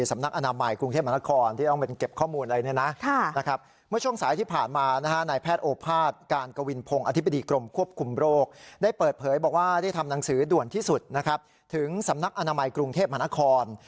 สำนักอนามัยกรุงเทพมหานคร